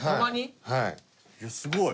はい。